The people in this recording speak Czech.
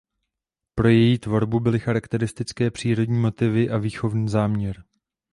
Pro její tvorbu byly charakteristické přírodní motivy a výchovný záměr.